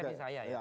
persen saya ya